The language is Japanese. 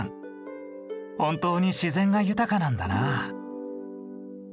本当に自然が豊かなんだなあ。